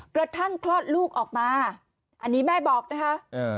กระทั่งคลอดลูกออกมาอันนี้แม่บอกนะคะอืม